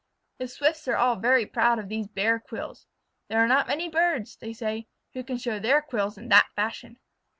The Swifts are all very proud of these bare quills. "There are not many birds," they say, "who can show their quills in that fashion."